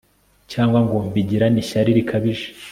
cyangwa ngo mbigirane ishyari rikabije